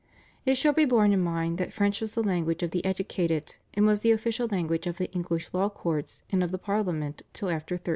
It should be borne in mind that French was the language of the educated and was the official language of the English law courts and of the Parliament till after 1360.